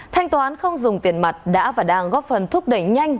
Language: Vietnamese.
thanh toán không dùng tiền mặt đã và đang góp phần thúc đẩy nhanh